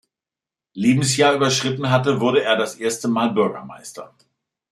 Lebensjahr überschritten hatte, wurde er das erste Mal Bürgermeister.